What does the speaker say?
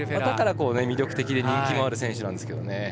だから魅力的で人気のある選手なんですよね。